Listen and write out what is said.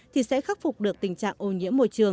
thì sẽ khắc phục được tình trạng ổn định